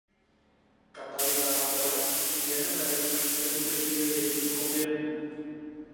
Katalyzátor si během redukce udržuje většinu objemu.